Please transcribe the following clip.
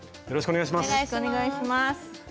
よろしくお願いします。